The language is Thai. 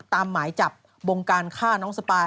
หมายจับบงการฆ่าน้องสปาย